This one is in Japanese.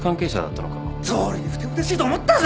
どうりでふてぶてしいと思ったぜ。